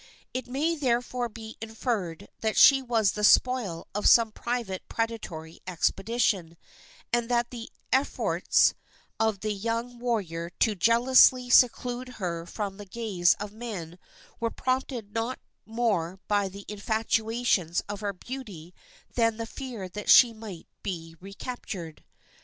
It may therefore be inferred that she was the spoil of some private predatory expedition, and that the efforts of the young warrior to jealously seclude her from the gaze of men were prompted not more by the infatuations of her beauty than the fear that she might be recaptured.